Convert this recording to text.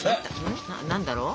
何だろう。